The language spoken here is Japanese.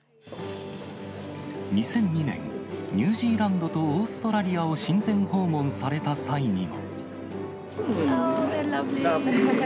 ２００２年、ニュージーランドとオーストラリアを親善訪問された際にも。